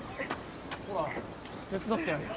ほら手伝ってやるよ